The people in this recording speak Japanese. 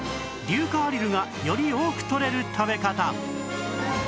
硫化アリルがより多くとれる食べ方